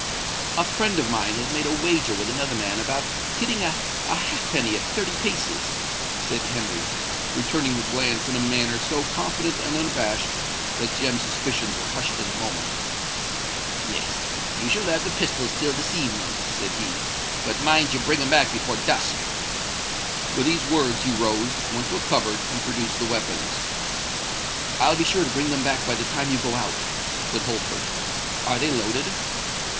"A friend of mine has made a wager with another man about hitting a halfpenny at thirty paces," said Henry, returning the glance in a manner so confident and unabashed, that Jem's suspicions were hushed in a moment. "Yes—you shall have the pistols till this evening," said he: "but mind you bring 'em back before dusk." With these words, he rose, went to a cupboard, and produced the weapons. "I'll be sure to bring them back by the time you go out," said Holford. "Are they loaded?"